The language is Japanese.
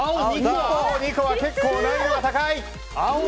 ２個は結構難易度が高い！